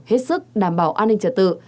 hết sức đảm bảo an ninh trả tự